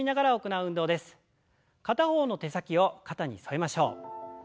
片方の手先を肩に添えましょう。